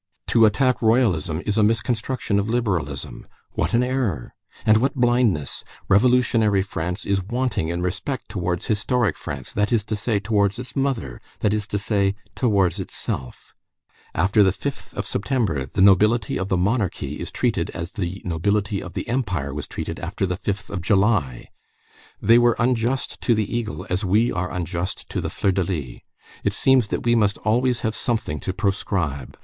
To attack Royalism is a misconstruction of liberalism. What an error! And what blindness! Revolutionary France is wanting in respect towards historic France, that is to say, towards its mother, that is to say, towards itself. After the 5th of September, the nobility of the monarchy is treated as the nobility of the Empire was treated after the 5th of July. They were unjust to the eagle, we are unjust to the fleur de lys. It seems that we must always have something to proscribe!